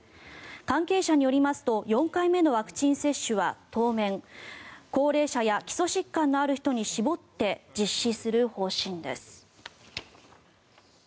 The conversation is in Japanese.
関係者によりますと４回目のワクチン接種は当面高齢者や基礎疾患のある人に絞って実施する方針です。